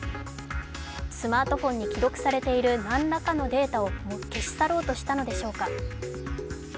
スマートフォンに記録されている何らかのデータを消し去ろうとしたのでしょうか。